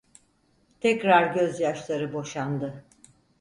Tekrar gözyaşları boşandı.